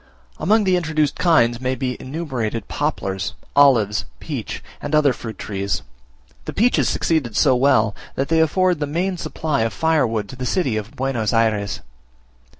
Among the introduced kinds may be enumerated poplars, olives, peach, and other fruit trees: the peaches succeed so well, that they afford the main supply of firewood to the city of Buenos Ayres.